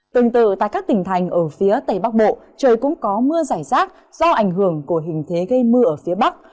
tương tự tại các tỉnh thành ở phía tây bắc bộ trời cũng có mưa giải rác do ảnh hưởng của hình thế gây mưa ở phía bắc